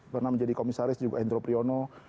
pernah menjadi komisaris juga endro priyono